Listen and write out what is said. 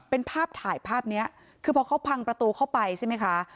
เป็นภาพถ่ายภาพนี้คือพอเขาพังประตูเข้าไปใช่ไหมคะ